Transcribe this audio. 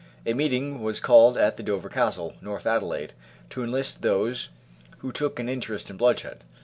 A meeting was called at the Dover Castle, North Adelaide, to enlist those who took an interest in bloodshed.